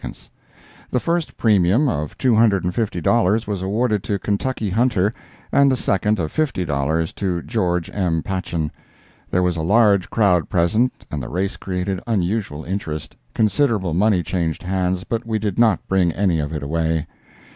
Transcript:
The first premium, of two hundred and fifty dollars, was awarded to "Kentucky Hunter," and the second, of fifty dollars, to "George M. Patchen." There was a large crowd present, and the race created unusual interest; considerable money changed hands, but we did not bring any of it away.